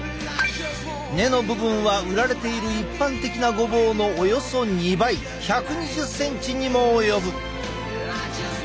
根の部分は売られている一般的なごぼうのおよそ２倍１２０ｃｍにも及ぶ。